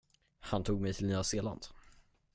Han tog mig till Nya Zeeland.